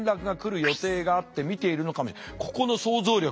ここの想像力。